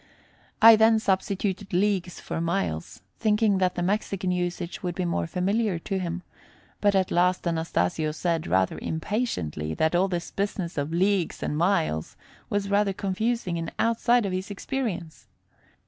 I then substituted leagues for miles, thinking that the Mexican usage would be more familiar to him; but at last Anastasio said, rather impatiently, that all this business of leagues and miles was rather confusing and outside of his experience.